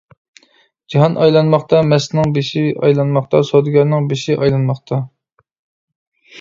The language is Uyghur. جاھان ئايلانماقتا، مەستنىڭ بېشى ئايلانماقتا، سودىگەرنىڭ بېشى ئايلانماقتا.